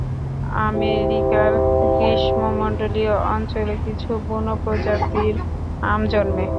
আমেরিকার গ্রীষ্মমন্ডলীয় অঞ্চলে কিছু বুনো প্রজাতির আম জন্মে।